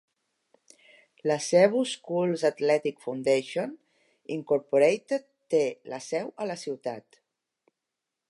La Cebu Schools Athletic Foundation, Incorporated té la seu a la ciutat.